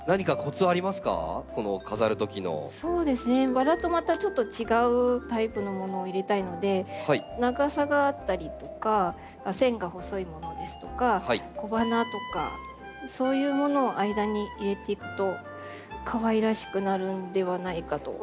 バラとまたちょっと違うタイプのものを入れたいので長さがあったりとか線が細いものですとか小花とかそういうものを間に入れていくとかわいらしくなるんではないかと思います。